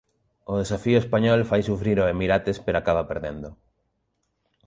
O Desafío Español fai sufrir ao Emirates pero acaba perdendo